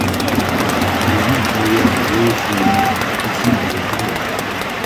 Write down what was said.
Les huit meilleures joueuses du monde participent au tournoi.